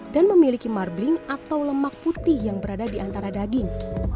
dan memiliki marbling atau lemak putih yang berada di antara daging